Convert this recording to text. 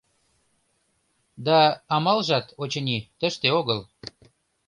Да амалжат, очыни, тыште огыл.